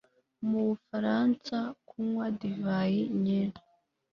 Mu Bufaransa kunywa divayi nyinshi